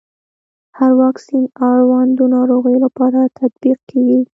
هر واکسین د اړوندو ناروغيو لپاره تطبیق کېږي.